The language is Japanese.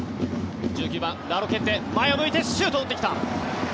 １９番、ラロケッテが前を向いてシュートを打ってきました。